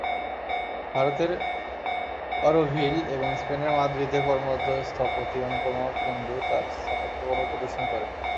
ভারতের অরোভিল এবং স্পেনের মাদ্রিদে কর্মরত স্থপতি অনুপমা কুন্ডু তাঁর স্থাপত্যকর্ম প্রদর্শন করেন।